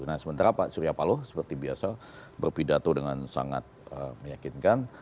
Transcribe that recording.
nah sementara pak surya paloh seperti biasa berpidato dengan sangat meyakinkan